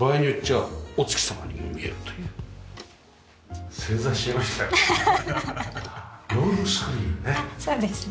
あっそうですね。